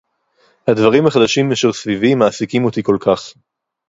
הדברים החדשים אשר סביבי מעסיקים אותי כל־כך